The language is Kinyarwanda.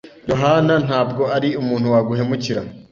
Yohana ntabwo ari umuntu waguhemukira.